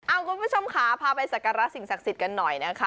คุณผู้ชมค่ะพาไปสักการะสิ่งศักดิ์สิทธิ์กันหน่อยนะคะ